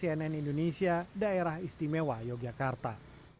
tim liputan cnn indonesia daerah istimewa yogyakarta